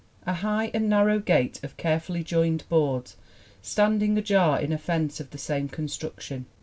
"A high and narrow gate of carefully joined boards, standing ajar in a fence of the same construction!